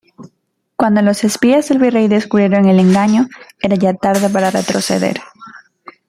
Cuando los espías del virrey descubrieron el engaño era ya tarde para retroceder.